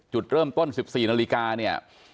จุดเริ่มต้น๑๔นาฬิกาเนี่ย